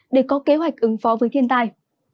để có kế hoạch ứng phó với thiên tai